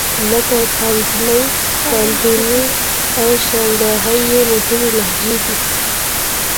لکه پکني، کانتوني او شانګهای یې مهمې لهجې دي.